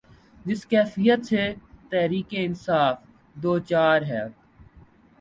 جس کیفیت سے تحریک انصاف دوچار ہے۔